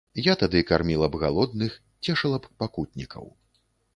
Я тады карміла б галодных, цешыла б пакутнікаў.